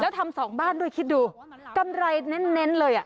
แล้วทำสองบ้านด้วยคิดดูกำไรเน้นเลยอ่ะ